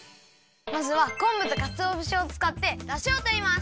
まずはこんぶとかつおぶしをつかってだしをとります！